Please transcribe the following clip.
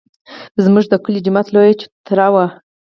زموږ د کلي د جومات لویه چوتره وه.